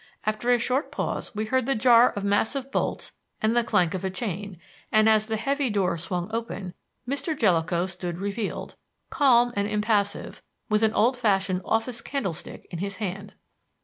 After a short pause we heard the jar of massive bolts and the clank of a chain, and, as the heavy door swung open, Mr. Jellicoe stood revealed, calm and impassive, with an old fashioned office candlestick in his hand.